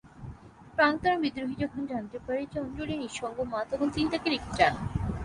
প্রাক্তন বিদ্রোহী যখন জানতে পারে যে অঞ্জলি নিঃসঙ্গ মা, তখন তিনি তাকে রেখে যান।